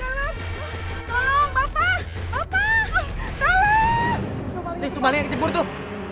paling yang kecebur tuh